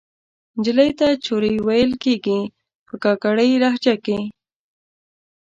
نجلۍ ته چورۍ ویل کیږي په کاکړۍ لهجه کښې